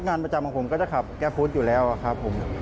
งานประจำของผมก็จะขับแก้ฟู้ดอยู่แล้วครับผม